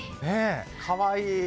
かわいい。